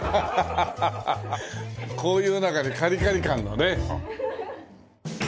こういう中にカリカリ感のね。